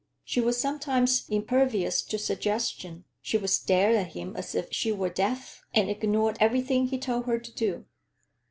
She was sometimes impervious to suggestion; she would stare at him as if she were deaf and ignore everything he told her to do.